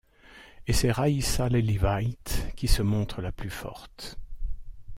Et c’est Raissa Lelivyte qui se montre la plus forte.